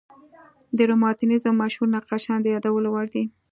د رومانتیزم مشهور نقاشان د یادولو وړ دي.